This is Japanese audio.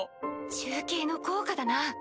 中継の効果だな。